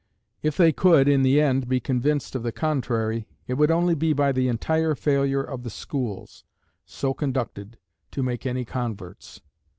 If they could, in the end, be convinced of the contrary, it would only be by the entire failure of the schools, so conducted, to make any converts.